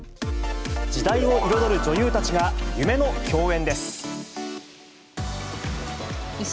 時代を彩る女優たちが夢の共